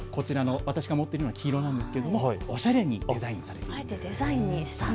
私が持っているのは黄色ですがおしゃれにデザインされています。